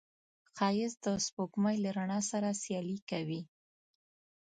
ښایست د سپوږمۍ له رڼا سره سیالي کوي